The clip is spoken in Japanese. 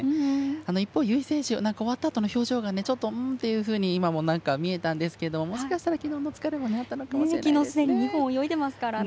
一方、由井選手は終わったあとの表情がちょっとうーんというふうに見えたんですけどもしかしたら昨日の疲れがあったのかもしれないですね。